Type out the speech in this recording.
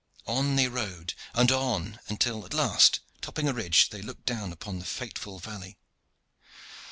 On they rode, and on, until, at last, topping a ridge, they looked down upon the fateful valley.